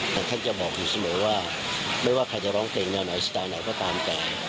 แต่ท่านจะบอกอยู่เสมอว่าไม่ว่าใครจะร้องเพลงอย่างหน่อยสิ่งด้านไหนก็ตามแต่